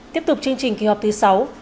tiếp tục chương trình kỳ họp thứ sáu